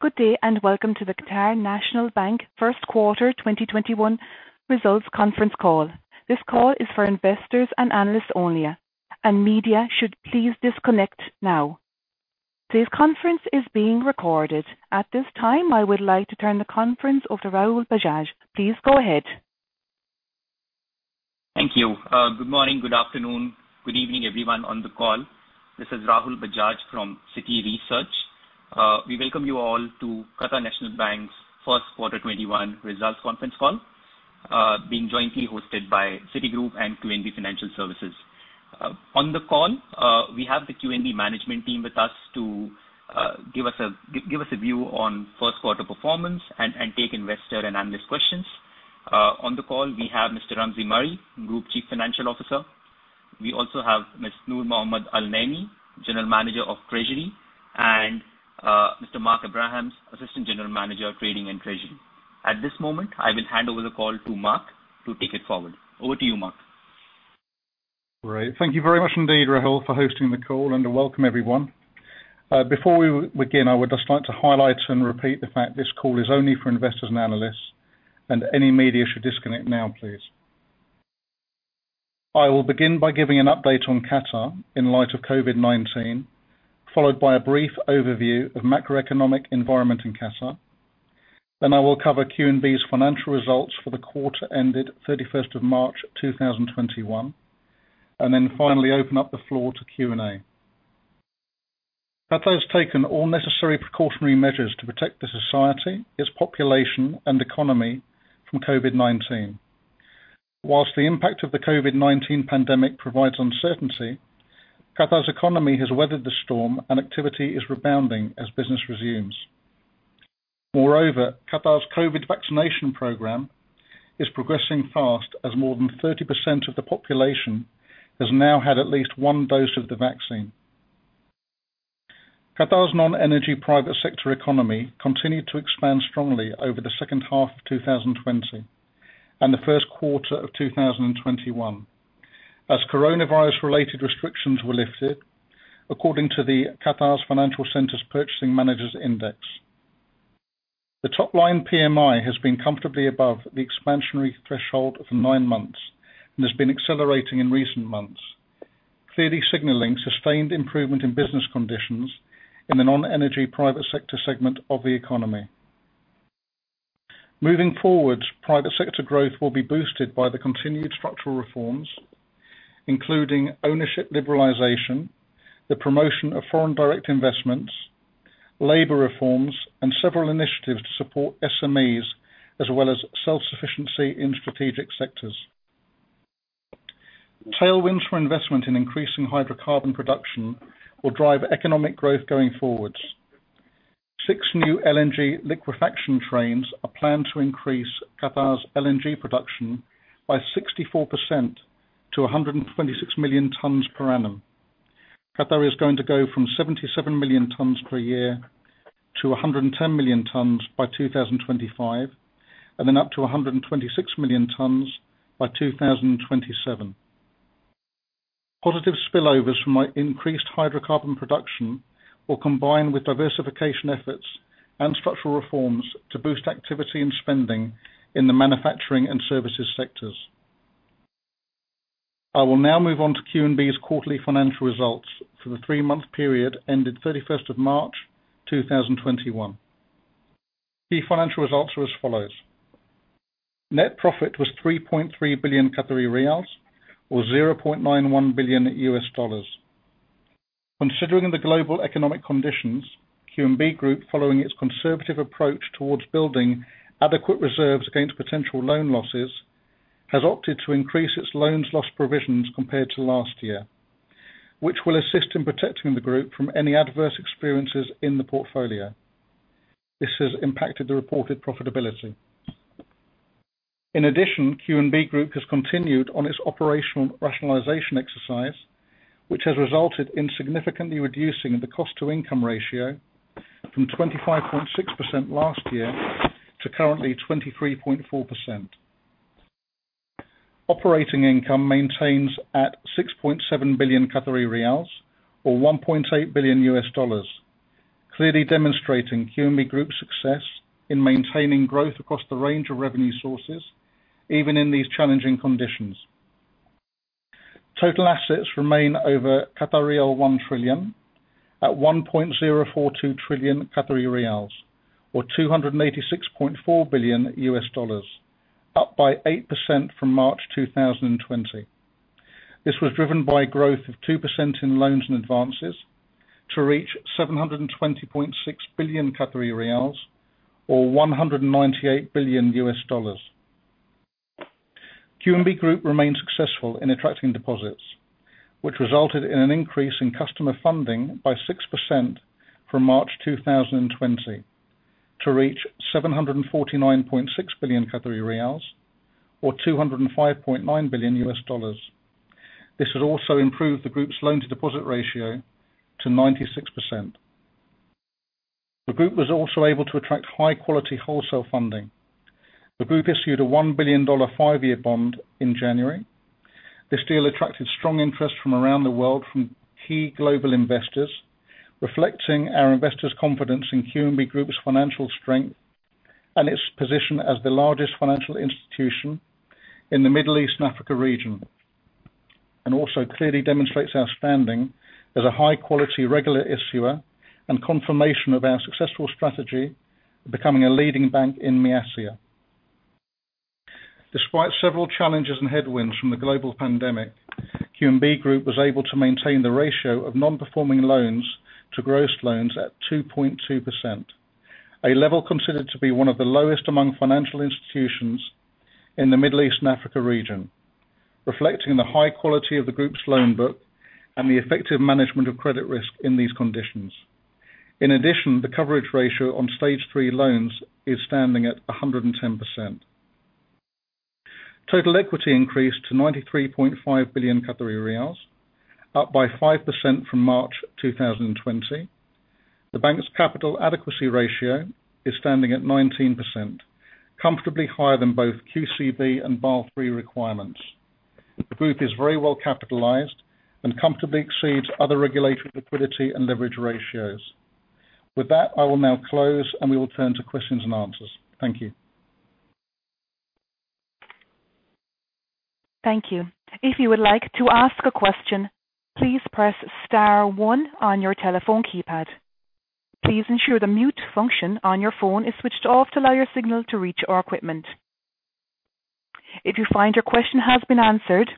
Good day. Welcome to the Qatar National Bank first quarter 2021 results conference call. This call is for investors and analysts only, and media should please disconnect now. This conference is being recorded. At this time, I would like to turn the conference over to Rahul Bajaj. Please go ahead. Thank you. Good morning, good afternoon, good evening everyone on the call. This is Rahul Bajaj from Citi Research. We welcome you all to Qatar National Bank's first quarter 2021 results conference call, being jointly hosted by Citigroup and QNB Financial Services. On the call, we have the QNB management team with us to give us a view on first quarter performance and take investor and analyst questions. On the call, we have Mr. Ramzi Mari, Group Chief Financial Officer. We also have Miss Noor Mohammed Al-Naimi, General Manager of Treasury, and Mr. Mark Abrahams, Assistant General Manager of Trading and Treasury. At this moment, I will hand over the call to Mark to take it forward. Over to you, Mark. Great. Thank you very much indeed, Rahul, for hosting the call and welcome everyone. Before we begin, I would just like to highlight and repeat the fact this call is only for investors and analysts, and any media should disconnect now, please. I will begin by giving an update on Qatar in light of COVID-19, followed by a brief overview of macroeconomic environment in Qatar. I will cover QNB's financial results for the quarter ended 31st of March 2021, finally open up the floor to Q&A. Qatar has taken all necessary precautionary measures to protect the society, its population and economy from COVID-19. Whilst the impact of the COVID-19 pandemic provides uncertainty, Qatar's economy has weathered the storm and activity is rebounding as business resumes. Moreover, Qatar's COVID vaccination program is progressing fast as more than 30% of the population has now had at least one dose of the vaccine. Qatar's non-energy private sector economy continued to expand strongly over the second half of 2020 and the first quarter of 2021 as coronavirus-related restrictions were lifted, according to the Qatar Financial Centre's Purchasing Managers Index. The top-line PMI has been comfortably above the expansionary threshold for nine months and has been accelerating in recent months, clearly signaling sustained improvement in business conditions in the non-energy private sector segment of the economy. Moving forward, private sector growth will be boosted by the continued structural reforms, including ownership liberalization, the promotion of foreign direct investments, labor reforms, and several initiatives to support SMEs, as well as self-sufficiency in strategic sectors. Tailwinds for investment in increasing hydrocarbon production will drive economic growth going forwards. Six new LNG liquefaction trains are planned to increase Qatar's LNG production by 64% to 126 million tons per annum. Qatar is going to go from 77 million tons per year to 110 million tons by 2025, and then up to 126 million tons by 2027. Positive spillovers from our increased hydrocarbon production will combine with diversification efforts and structural reforms to boost activity and spending in the manufacturing and services sectors. I will now move on to QNB's quarterly financial results for the three-month period ended 31st of March 2021. Key financial results are as follows. Net profit was 3.3 billion Qatari riyals or $0.91 billion. Considering the global economic conditions, QNB Group, following its conservative approach towards building adequate reserves against potential loan losses, has opted to increase its loans loss provisions compared to last year, which will assist in protecting the group from any adverse experiences in the portfolio. This has impacted the reported profitability. In addition, QNB Group has continued on its operational rationalization exercise, which has resulted in significantly reducing the cost to income ratio from 25.6% last year to currently 23.4%. Operating income maintains at 6.7 billion Qatari riyals or $1.8 billion, clearly demonstrating QNB Group's success in maintaining growth across the range of revenue sources, even in these challenging conditions. Total assets remain over 1 trillion at 1.042 trillion Qatari riyals, or $286.4 billion, up by 8% from March 2020. This was driven by growth of 2% in loans and advances to reach 720.6 billion Qatari riyals or $198 billion. QNB Group remains successful in attracting deposits, which resulted in an increase in customer funding by 6% from March 2020 to reach 749.6 billion QAR or $205.9 billion. This has also improved the group's loan-to-deposit ratio to 96%. The group was also able to attract high-quality wholesale funding. The group issued a $1 billion five-year bond in January. This deal attracted strong interest from around the world from key global investors, reflecting our investors' confidence in QNB Group's financial strength and its position as the largest financial institution in the Middle East and Africa region, and also clearly demonstrates our standing as a high-quality regular issuer and confirmation of our successful strategy of becoming a leading bank in MEA. Despite several challenges and headwinds from the global pandemic, QNB Group was able to maintain the ratio of non-performing loans to gross loans at 2.2%, a level considered to be one of the lowest among financial institutions in the Middle East and Africa region, reflecting the high quality of the group's loan book and the effective management of credit risk in these conditions. In addition, the coverage ratio on Stage 3 loans is standing at 110%. Total equity increased to 93.5 billion Qatari riyals, up by 5% from March 2020. The bank's capital adequacy ratio is standing at 19%, comfortably higher than both QCB and Basel III requirements. The group is very well capitalized and comfortably exceeds other regulated liquidity and leverage ratios. With that, I will now close, and we will turn to questions and answers. Thank you. Thank you. If you would like to ask a question, please press star one on your telephone keypad. Please ensure the mute function on your phone is switched off to allow your signal to reach our equipment. If you find your question has been answered,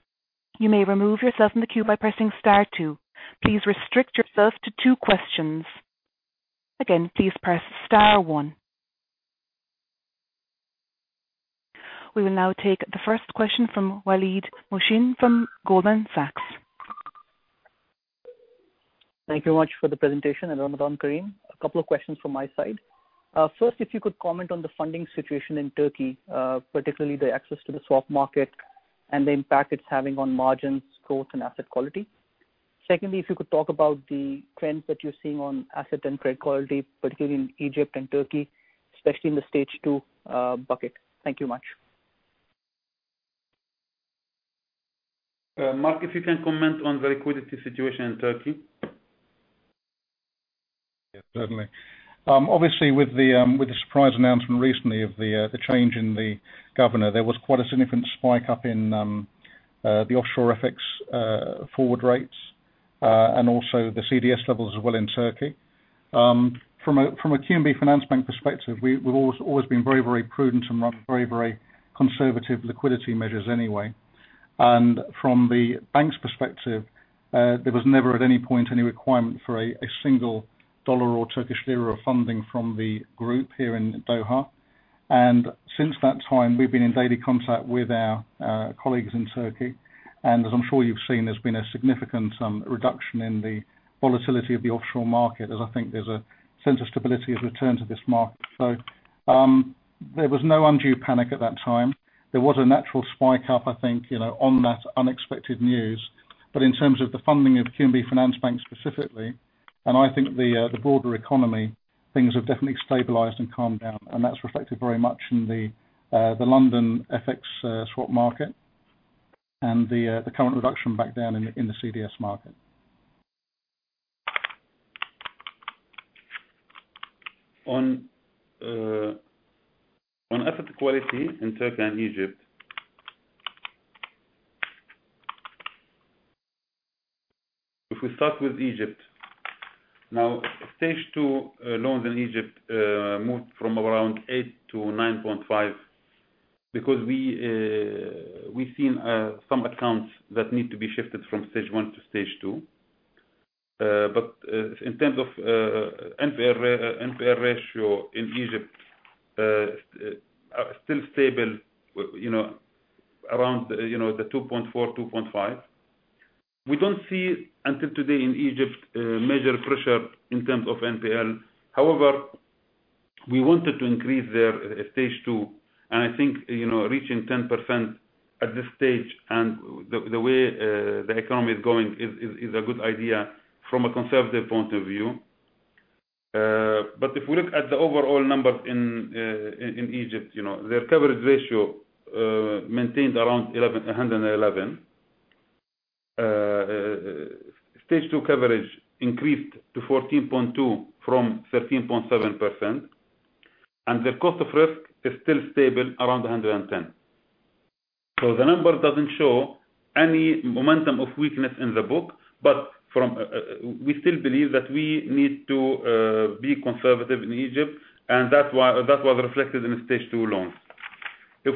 you may remove yourself from the queue by pressing star two. Please restrict yourself to two questions. Again, please press star one. We will now take the first question from Waleed Mohsin from Goldman Sachs. Thank you very much for the presentation, and Ramadan Kareem. A couple of questions from my side. First, if you could comment on the funding situation in Turkey, particularly the access to the swap market and the impact it's having on margins, growth, and asset quality. Secondly, if you could talk about the trends that you're seeing on asset and credit quality, particularly in Egypt and Turkey, especially in the Stage 2 bucket. Thank you much. Mark, if you can comment on the liquidity situation in Turkey. Certainly. Obviously, with the surprise announcement recently of the change in the governor, there was quite a significant spike up in the offshore FX forward rates, and also the CDS levels as well in Turkey. From a QNB Finansbank perspective, we've always been very prudent and run very conservative liquidity measures anyway. From the bank's perspective, there was never at any point any requirement for a single dollar or Turkish lira of funding from the group here in Doha. Since that time, we've been in daily contact with our colleagues in Turkey. As I'm sure you've seen, there's been a significant reduction in the volatility of the offshore market as I think there's a sense of stability has returned to this market. There was no undue panic at that time. There was a natural spike up, I think, on that unexpected news. In terms of the funding of QNB Finansbank specifically, and I think the broader economy, things have definitely stabilized and calmed down, and that's reflected very much in the London FX swap market and the current reduction back down in the CDS market. On asset quality in Turkey and Egypt. We start with Egypt, Stage 2 loans in Egypt moved from around 8% to 9.5% because we've seen some accounts that need to be shifted from Stage 1 to Stage 2. In terms of NPL ratio in Egypt, are still stable, around the 2.4%-2.5%. We don't see, until today in Egypt, major pressure in terms of NPL. However, we wanted to increase their Stage 2, and I think, reaching 10% at this stage and the way the economy is going is a good idea from a conservative point of view. If we look at the overall numbers in Egypt, their coverage ratio maintained around 111%. Stage 2 coverage increased to 14.2% from 13.7%. The cost of risk is still stable around 110%. The number doesn't show any momentum of weakness in the book, we still believe that we need to be conservative in Egypt, and that was reflected in the Stage 2 loans.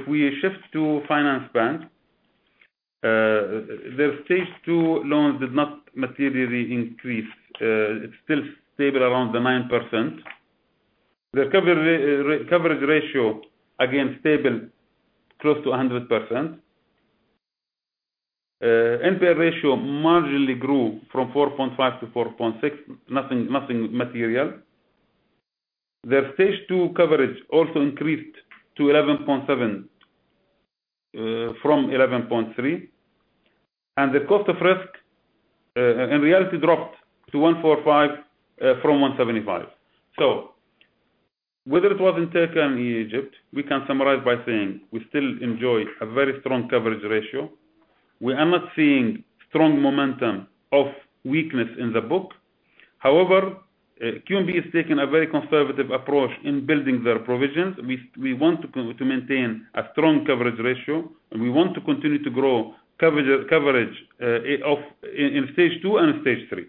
We shift to QNB Finansbank, their Stage 2 loans did not materially increase. It's still stable around the 9%. Their coverage ratio, again, stable, close to 100%. NPL ratio marginally grew from 4.5%-4.6%, nothing material. Their Stage 2 coverage also increased to 11.7% from 11.3%. The cost of risk, in reality, dropped to 145% from 175%. Whether it was in Turkey and Egypt, we can summarize by saying we still enjoy a very strong coverage ratio. We are not seeing strong momentum of weakness in the book. However, QNB is taking a very conservative approach in building their provisions. We want to maintain a strong coverage ratio, and we want to continue to grow coverage in Stage 2 and Stage 3.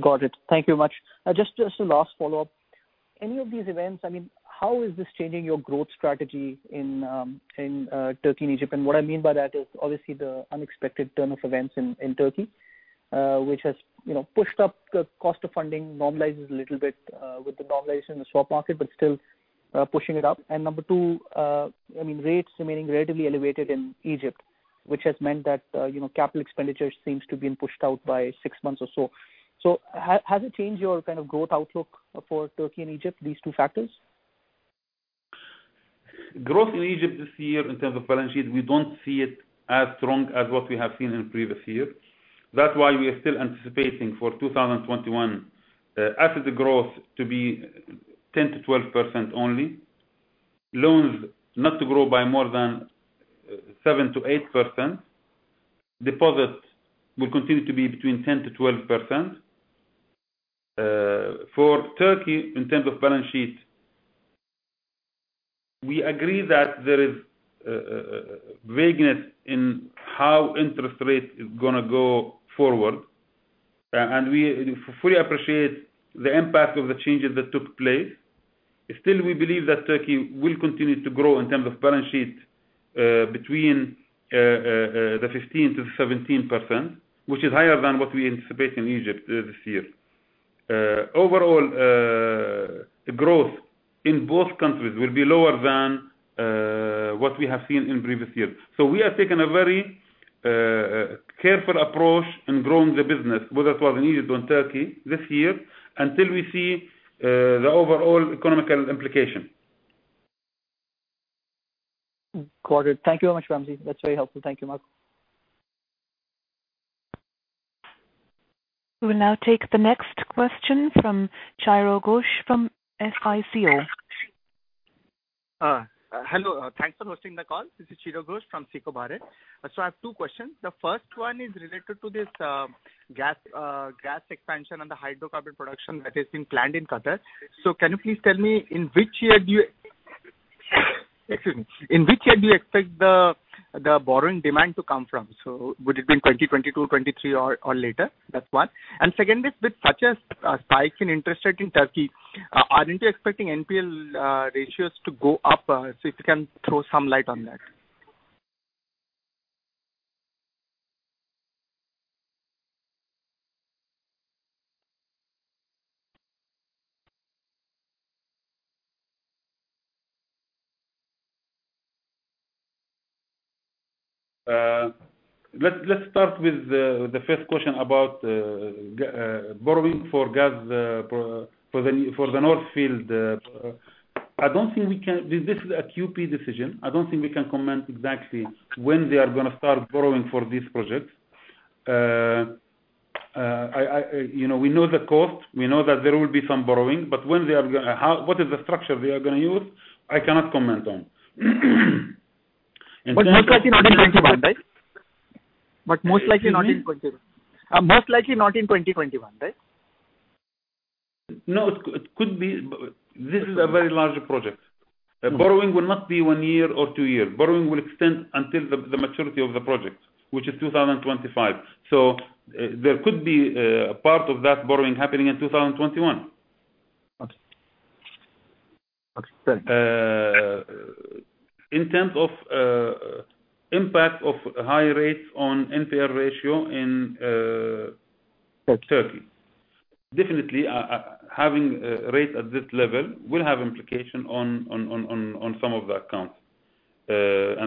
Got it. Thank you much. Just a last follow-up. Any of these events, how is this changing your growth strategy in Turkey and Egypt? What I mean by that is obviously the unexpected turn of events in Turkey, which has pushed up the cost of funding, normalizes a little bit with the normalization in the swap market, but still pushing it up. Number two, rates remaining relatively elevated in Egypt, which has meant that capital expenditure seems to have been pushed out by six months or so. Has it changed your kind of growth outlook for Turkey and Egypt, these two factors? Growth in Egypt this year in terms of balance sheet, we don't see it as strong as what we have seen in previous years. That's why we are still anticipating for 2021, asset growth to be 10%-12% only. Loans not to grow by more than 7%-8%. Deposits will continue to be between 10%-12%. For Turkey, in terms of balance sheet, we agree that there is vagueness in how interest rates are going to go forward. We fully appreciate the impact of the changes that took place. Still, we believe that Turkey will continue to grow in terms of balance sheet, between the 15%-17%, which is higher than what we anticipate in Egypt this year. Overall, growth in both countries will be lower than what we have seen in previous years. We are taking a very careful approach in growing the business, whether it was in Egypt or in Turkey this year, until we see the overall economical implication. Got it. Thank you so much, Ramzi. That's very helpful. Thank you much. We will now take the next question from Chiradeep Ghosh from SICO. Hello, thanks for hosting the call. This is Chiradeep Ghosh from SICO Bharat. I have two questions. The first one is related to this gas expansion and the hydrocarbon production that has been planned in Qatar. Can you please tell me, in which year do you excuse me, in which year do you expect the borrowing demand to come from? Would it be in 2022, 2023, or later? That's one. Secondly, with such a spike in interest rate in Turkey, aren't you expecting NPL ratios to go up? If you can throw some light on that. Let's start with the first question about borrowing for gas for the North Field. This is a QatarEnergy decision. I don't think we can comment exactly when they are going to start borrowing for this project. We know the cost. We know that there will be some borrowing, but what is the structure they are going to use, I cannot comment on. Most likely not in 2021, right? Excuse me. Most likely not in 2021, right? No, it could be. This is a very large project. Borrowing will not be one year or two years. Borrowing will extend until the maturity of the project, which is 2025. There could be a part of that borrowing happening in 2021. Okay. Makes sense. In terms of impact of high rates on NPL ratio in Turkey. Definitely, having rates at this level will have implication on some of the accounts.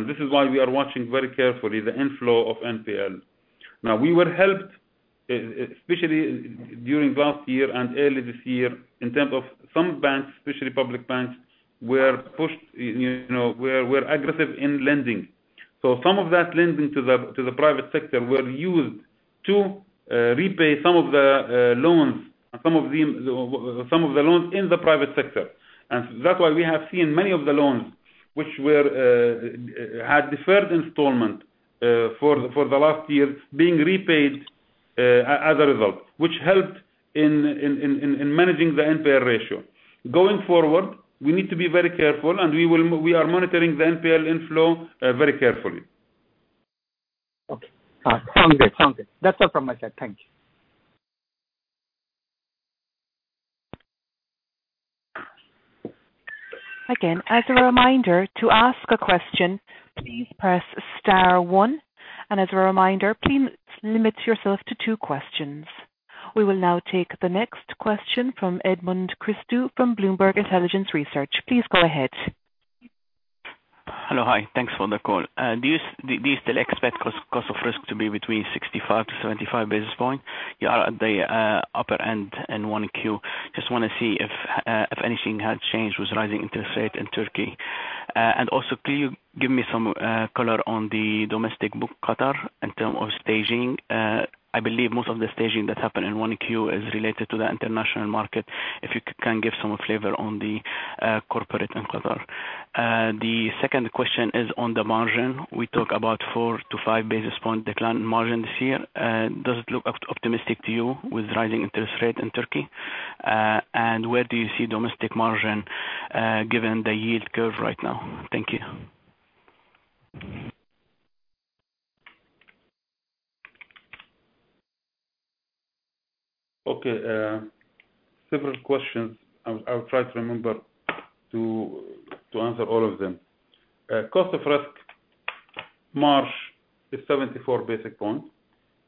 This is why we are watching very carefully the inflow of NPL. Now, we were helped, especially during last year and early this year, in terms of some banks, especially public banks, were aggressive in lending. Some of that lending to the private sector were used to repay some of the loans in the private sector. That's why we have seen many of the loans, which had deferred installment for the last years, being repaid as a result, which helped in managing the NPL ratio. Going forward, we need to be very careful, and we are monitoring the NPL inflow very carefully. Okay. Sounds good. That's all from my side. Thank you. Again, as a reminder, to ask a question, please press star one. As a reminder, please limit yourself to two questions. We will now take the next question from Edmond Christou from Bloomberg Intelligence Research. Please go ahead. Hello. Hi. Thanks for the call. Do you still expect cost of risk to be between 65-75 basis points? You are at the upper end in 1Q. Just want to see if anything had changed with rising interest rate in Turkey. Also, can you give me some color on the domestic book, Qatar, in terms of staging? I believe most of the staging that happened in 1Q is related to the international market. If you can give some flavor on the corporate in Qatar. The second question is on the margin. We talk about four to five basis point decline in margin this year. Does it look optimistic to you with rising interest rate in Turkey? Where do you see domestic margin, given the yield curve right now? Thank you. Okay. Several questions. I will try to remember to answer all of them. Cost of risk, March is 74 basis points.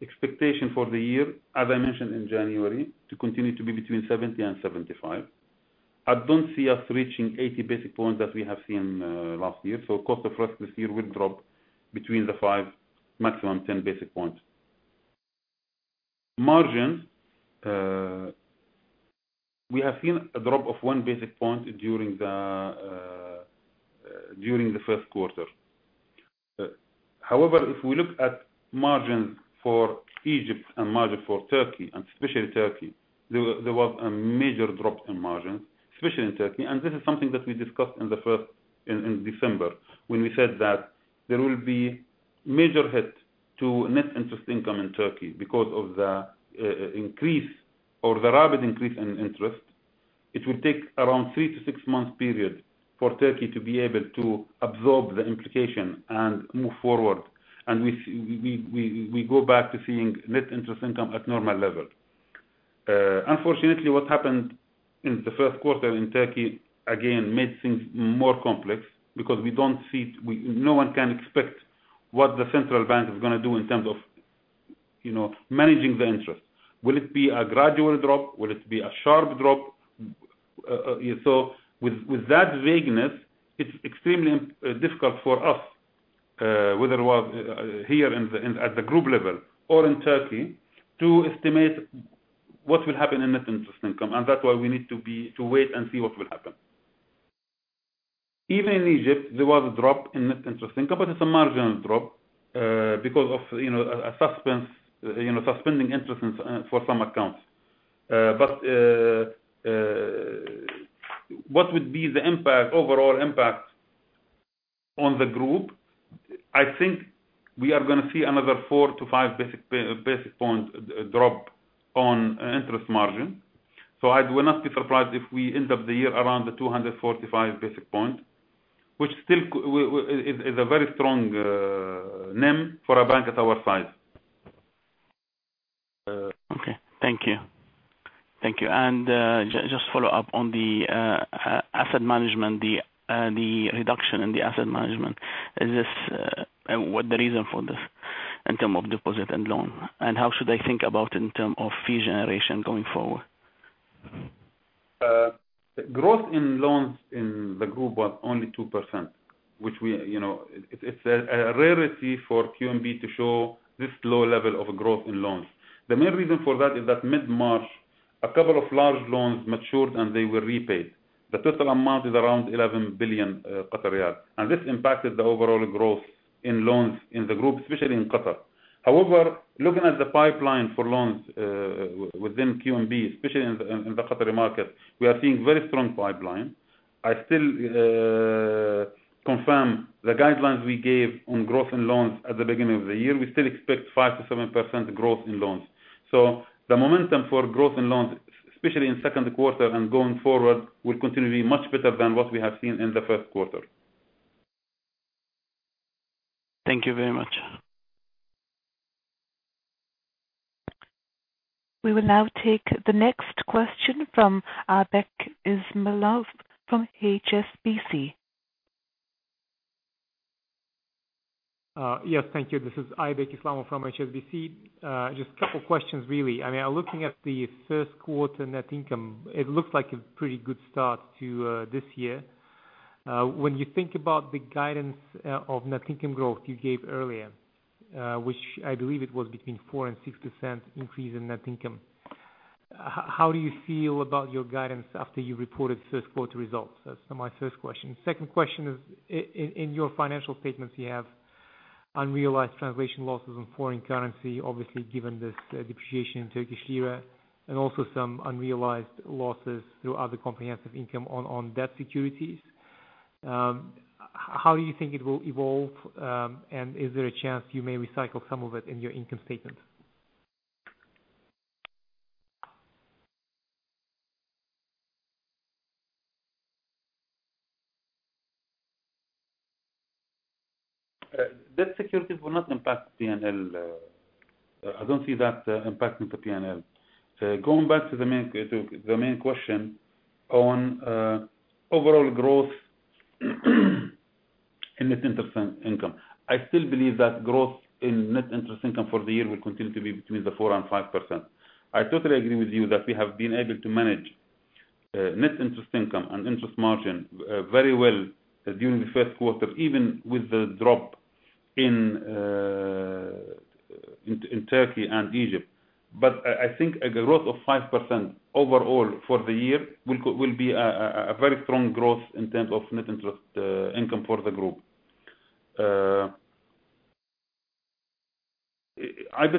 Expectation for the year, as I mentioned in January, to continue to be between 70 and 75. I don't see us reaching 80 basis points as we have seen last year. Cost of risk this year will drop between the five, maximum 10 basis points. Margin, we have seen a drop of one basis point during the first quarter. If we look at margin for Egypt and margin for Turkey, and especially Turkey, there was a major drop in margin, especially in Turkey. This is something that we discussed in December, when we said that there will be major hit to net interest income in Turkey because of the increase, or the rapid increase in interest. It will take around three to six months period for Turkey to be able to absorb the implication and move forward, and we go back to seeing net interest income at normal level. Unfortunately, what happened in the first quarter in Turkey, again, made things more complex because no one can expect what the central bank is going to do in terms of managing the interest. Will it be a gradual drop? Will it be a sharp drop? With that vagueness, it's extremely difficult for us, whether we're here at the group level or in Turkey, to estimate what will happen in net interest income. That's why we need to wait and see what will happen. Even in Egypt, there was a drop in net interest income, but it's a marginal drop, because of suspending interest for some accounts. What would be the overall impact on the group? I think we are going to see another four to five basis points drop on interest margin. I will not be surprised if we end up the year around the 245 basis points, which still is a very strong NIM for a bank at our size. Okay. Thank you. Just follow up on the asset management, the reduction in the asset management. What the reason for this in terms of deposit and loan, and how should I think about in terms of fee generation going forward? Growth in loans in the group was only 2%, which it's a rarity for QNB to show this low level of growth in loans. The main reason for that is that mid-March, a couple of large loans matured, and they were repaid. The total amount is around 11 billion, and this impacted the overall growth in loans in the group, especially in Qatar. However, looking at the pipeline for loans within QNB, especially in the Qatari market, we are seeing very strong pipeline. I still confirm the guidelines we gave on growth in loans at the beginning of the year. We still expect 5%-7% growth in loans. The momentum for growth in loans, especially in second quarter and going forward, will continue to be much better than what we have seen in the first quarter. Thank you very much. We will now take the next question from Aybek Islamov from HSBC. Yes, thank you. This is Aybek Islamov from HSBC. Just couple questions, really. I mean, looking at the first quarter net income, it looks like a pretty good start to this year. When you think about the guidance of net income growth you gave earlier, which I believe it was between 4%-6% increase in net income, how do you feel about your guidance after you reported first quarter results? That's my first question. Second question is, in your financial statements, you have unrealized translation losses on foreign currency, obviously, given this depreciation in TRY, and also some unrealized losses through other comprehensive income on debt securities. How you think it will evolve, and is there a chance you may recycle some of it in your income statement? Debt securities will not impact P&L. I don't see that impacting the P&L. Going back to the main question on overall growth in net interest income. I still believe that growth in net interest income for the year will continue to be between the 4% and 5%. I totally agree with you that we have been able to manage net interest income and interest margin very well during the first quarter, even with the drop in Turkey and Egypt. I think a growth of 5% overall for the year will be a very strong growth in terms of net interest income for the group. Aybek,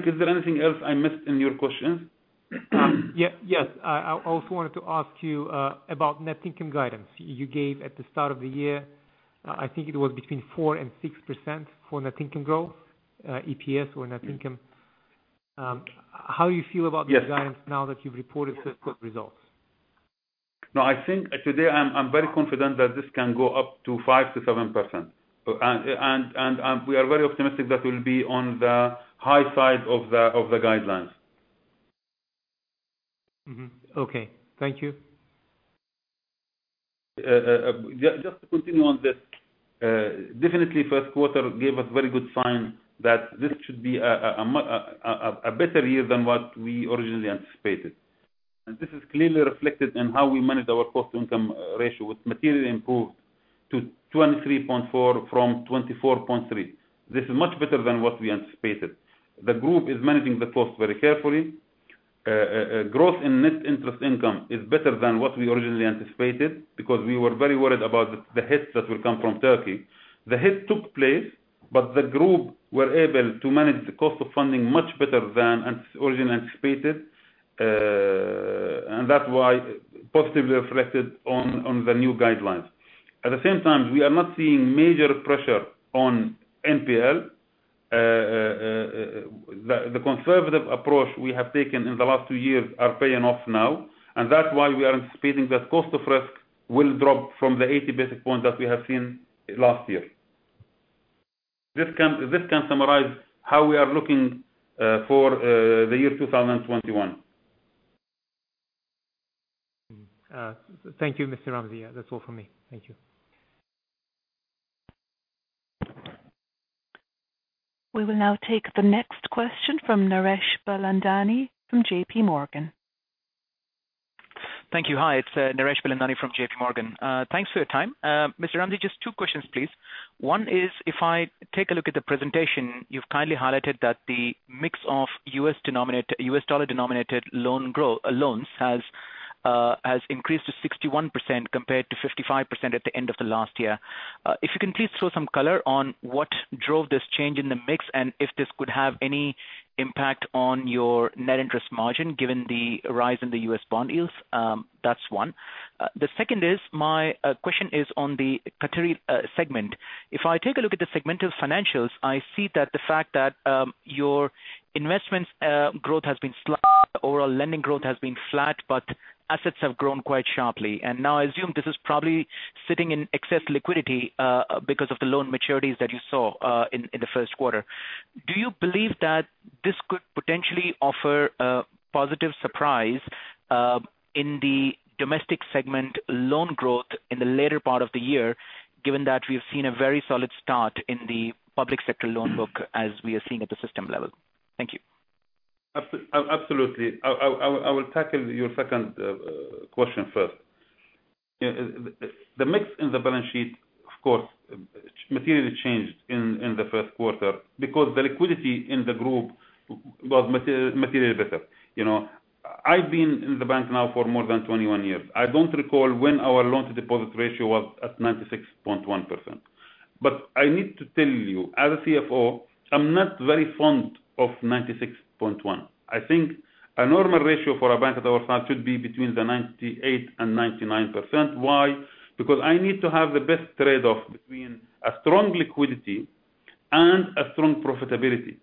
is there anything else I missed in your questions? Yes. I also wanted to ask you about net income guidance you gave at the start of the year. I think it was between 4% and 6% for net income growth, EPS or net income. Yes. How you feel about the guidance now that you've reported first quarter results? I think today, I'm very confident that this can go up to 5% to 7%. We are very optimistic that we'll be on the high side of the guidelines. Mm-hmm. Okay. Thank you. Just to continue on this. Definitely, first quarter gave us very good sign that this should be a better year than what we originally anticipated. This is clearly reflected in how we manage our cost-to-income ratio. It's materially improved to 23.4% from 24.3%. This is much better than what we anticipated. The group is managing the cost very carefully. Growth in net interest income is better than what we originally anticipated, because we were very worried about the hits that will come from Turkey. The hit took place, the group were able to manage the cost of funding much better than originally anticipated. That why positively reflected on the new guidelines. At the same time, we are not seeing major pressure on NPL. The conservative approach we have taken in the last two years are paying off now, that's why we are anticipating that cost of risk will drop from the 80 basis points that we have seen last year. This can summarize how we are looking for the year 2021. Thank you, Mr. Ramzi. That's all from me. Thank you. We will now take the next question from Naresh Bilandani from JPMorgan. Thank you. Hi, it's Naresh Bilandani from JPMorgan. Thanks for your time. Mr. Ramzi, just two questions, please. One is, if I take a look at the presentation, you've kindly highlighted that the mix of U.S. dollar denominated loans has increased to 61% compared to 55% at the end of the last year. If you can please throw some color on what drove this change in the mix and if this could have any impact on your net interest margin, given the rise in the U.S. bond yields. That's one. The second is, my question is on the Qatari segment. If I take a look at the segmental financials, I see that the fact that your investments growth has been overall lending growth has been flat, but assets have grown quite sharply. Now I assume this is probably sitting in excess liquidity, because of the loan maturities that you saw in the first quarter. Do you believe that this could potentially offer a positive surprise, in the domestic segment loan growth in the later part of the year, given that we have seen a very solid start in the public sector loan book as we are seeing at the system level? Thank you. Absolutely. I will tackle your second question first. The mix in the balance sheet, of course, materially changed in the first quarter because the liquidity in the group was materially better. I've been in the bank now for more than 21 years. I don't recall when our loan-to-deposit ratio was at 96.1%. I need to tell you, as a CFO, I'm not very fond of 96.1. I think a normal ratio for a bank of our size should be between the 98% and 99%. Why? Because I need to have the best trade-off between a strong liquidity and a strong profitability.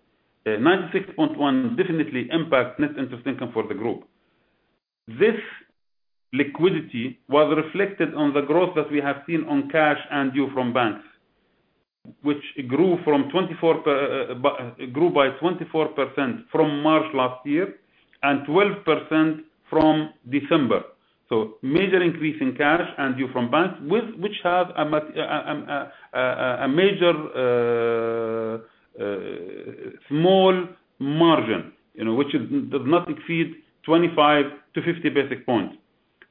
96.1 definitely impacts net interest income for the group. This liquidity was reflected on the growth that we have seen on cash and due from banks, which grew by 24% from March last year and 12% from December. Major increase in cash and due from banks, which have a major small margin, which does not exceed 25-50 basis points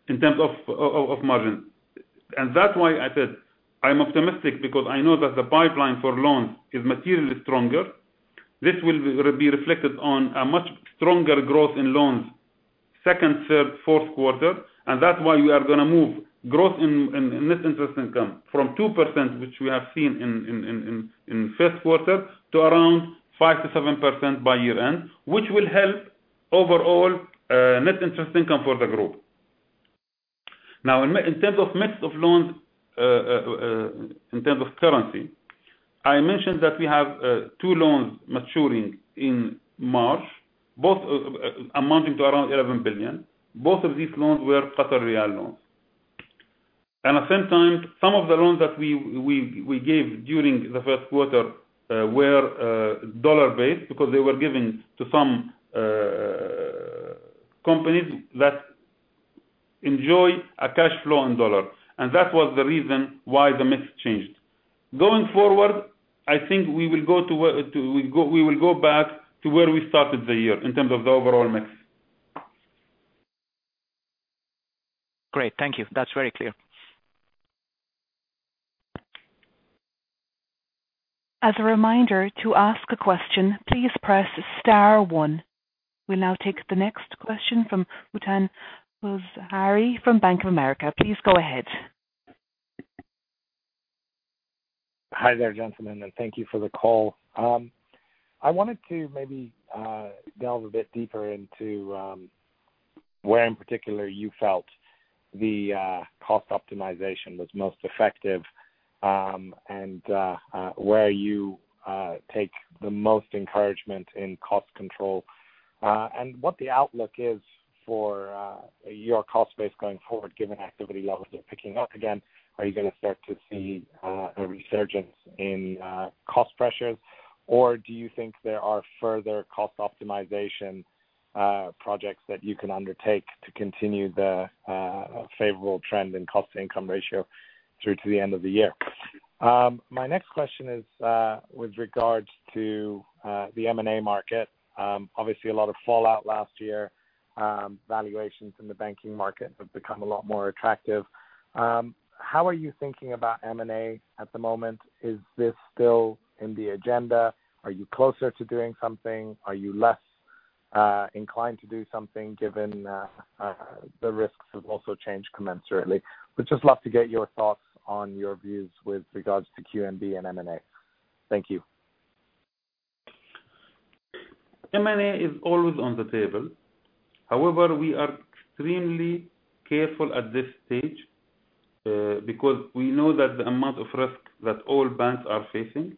in terms of margin. That's why I said I'm optimistic because I know that the pipeline for loans is materially stronger. This will be reflected on a much stronger growth in loans second, third, fourth quarter, that's why you are going to move growth in net interest income from 2%, which we have seen in first quarter to around 5%-7% by year-end, which will help overall net interest income for the group. In terms of mix of loans, in terms of currency, I mentioned that we have two loans maturing in March, both amounting to around $11 billion. Both of these loans were Qatari Riyal loans. At the same time, some of the loans that we gave during the first quarter were dollar-based because they were given to some companies that enjoy a cash flow in dollar, that was the reason why the mix changed. Going forward, I think we will go back to where we started the year in terms of the overall mix. Great. Thank you. That's very clear. As a reminder, to ask a question, please press star one. We'll now take the next question from Utan Rushhari from Bank of America. Please go ahead. Hi there, gentlemen, and thank you for the call. I wanted to maybe delve a bit deeper into where, in particular, you felt the cost optimization was most effective, and where you take the most encouragement in cost control. What the outlook is for your cost base going forward, given activity levels are picking up again. Are you going to start to see a resurgence in cost pressures, or do you think there are further cost optimization projects that you can undertake to continue the favorable trend in cost-income ratio through to the end of the year? My next question is with regards to the M&A market. Obviously, a lot of fallout last year. Valuations in the banking market have become a lot more attractive. How are you thinking about M&A at the moment? Is this still in the agenda? Are you closer to doing something? Are you less inclined to do something given the risks have also changed commensurately? We'd just love to get your thoughts on your views with regards to QNB and M&A. Thank you. M&A is always on the table. However, we are extremely careful at this stage because we know that the amount of risk that all banks are facing.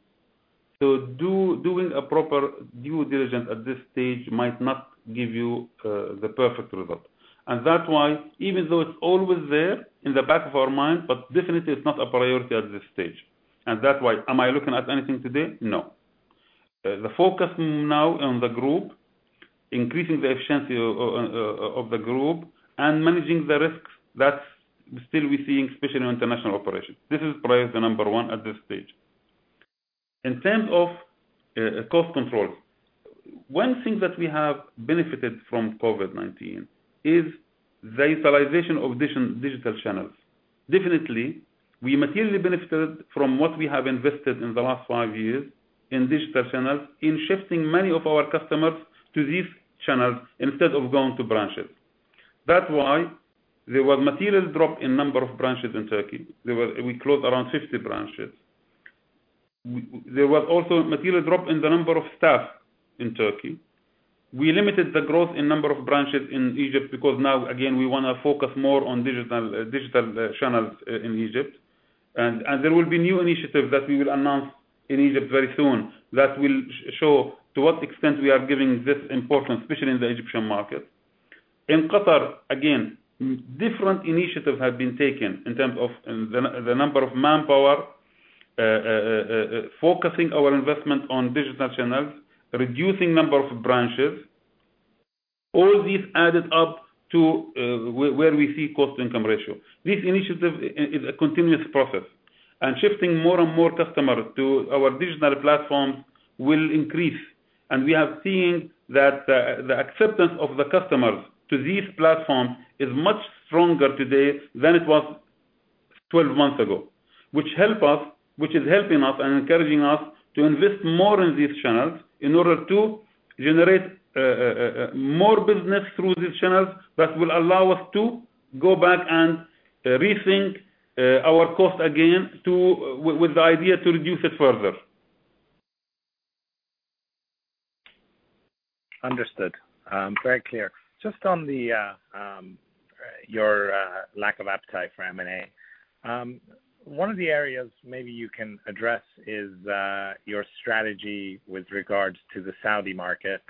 Doing a proper due diligence at this stage might not give you the perfect result. That's why, even though it's always there in the back of our mind, but definitely, it's not a priority at this stage. That's why. Am I looking at anything today? No. The focus now on the group, increasing the efficiency of the group and managing the risks that still we're seeing, especially on international operations. This is probably the number 1 at this stage. In terms of cost control, one thing that we have benefited from COVID-19 is the utilization of digital channels. Definitely, we materially benefited from what we have invested in the last five years in digital channels, in shifting many of our customers to these channels instead of going to branches. That's why there was material drop in number of branches in Turkey. We closed around 50 branches. There was also material drop in the number of staff in Turkey. We limited the growth in number of branches in Egypt because now, again, we want to focus more on digital channels in Egypt. There will be new initiatives that we will announce in Egypt very soon that will show to what extent we are giving this importance, especially in the Egyptian market. In Qatar, again, different initiatives have been taken in terms of the number of manpower, focusing our investment on digital channels, reducing number of branches. All these added up to where we see cost-income ratio. Shifting more and more customers to our digital platforms will increase. We have seen that the acceptance of the customers to these platforms is much stronger today than it was 12 months ago, which is helping us and encouraging us to invest more in these channels in order to generate more business through these channels that will allow us to go back and rethink our cost again with the idea to reduce it further. Understood. Very clear. Just on your lack of appetite for M&A. One of the areas maybe you can address is your strategy with regards to the Saudi market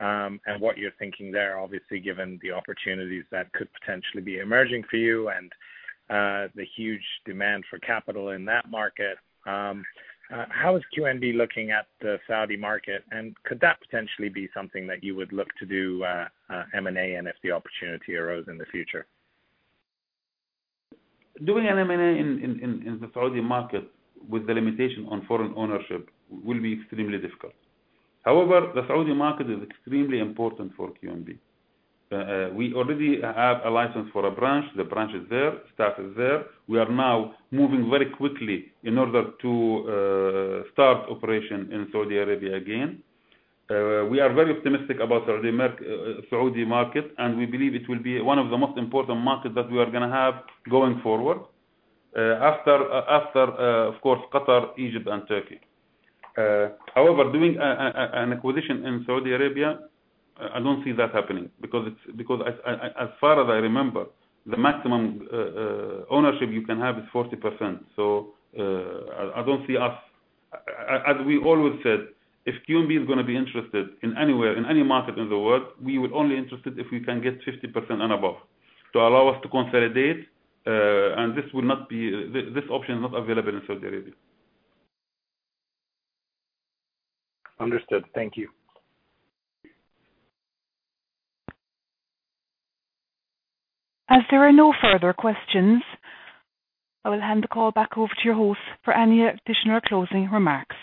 and what you're thinking there, obviously, given the opportunities that could potentially be emerging for you and the huge demand for capital in that market. How is QNB looking at the Saudi market, and could that potentially be something that you would look to do M&A in if the opportunity arose in the future? Doing an M&A in the Saudi market with the limitation on foreign ownership will be extremely difficult. However, the Saudi market is extremely important for QNB. We already have a license for a branch. The branch is there, staff is there. We are now moving very quickly in order to start operation in Saudi Arabia again. We are very optimistic about Saudi market, and we believe it will be one of the most important markets that we are going to have going forward, after, of course, Qatar, Egypt and Turkey. Doing an acquisition in Saudi Arabia, I don't see that happening because as far as I remember, the maximum ownership you can have is 40%. I don't see us As we always said, if QNB is going to be interested in anywhere, in any market in the world, we would only interested if we can get 50% and above to allow us to consolidate. And this option is not available in Saudi Arabia. Understood. Thank you. As there are no further questions, I will hand the call back over to your host for any additional closing remarks.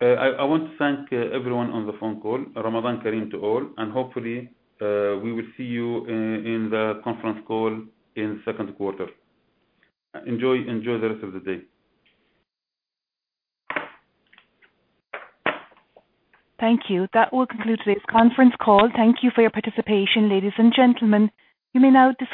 I want to thank everyone on the phone call. Ramadan Kareem to all, and hopefully, we will see you in the conference call in second quarter. Enjoy the rest of the day. Thank you. That will conclude today's conference call. Thank you for your participation, ladies and gentlemen. You may now disconnect.